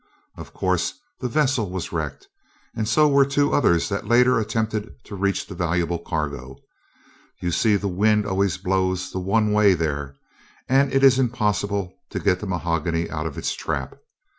Of course, the vessel was wrecked, and so were two others that later attempted to reach the valuable cargo. You see the wind always blows the one way there, and it is impossible to get the mahogany out of its trap.